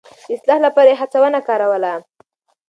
د اصلاح لپاره يې هڅونه کاروله.